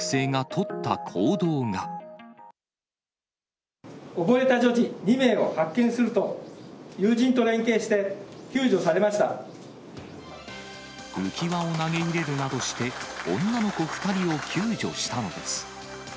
溺れた女児２名を発見すると、浮き輪を投げ入れるなどして、女の子２人を救助したのです。